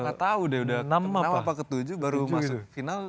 gak tau deh udah ke enam apa ke tujuh baru masuk final